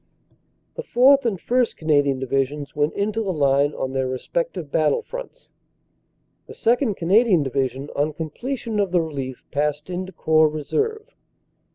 "The 4th. and 1st. Canadian Divisions went into the line on their respective battlefionts. "The 2nd. Canadian Division, on completion of the relief, passed into Corps Reserve.